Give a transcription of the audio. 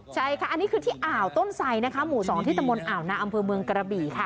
ใช่ค่ะอันนี้คือที่อ่าวต้นไสนะคะหมู่๒ที่ตะมนอ่าวนาอำเภอเมืองกระบี่ค่ะ